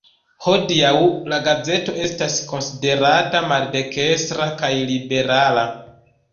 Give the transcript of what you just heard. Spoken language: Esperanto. Hodiaŭ la gazeto estas konsiderata maldekstra kaj liberala.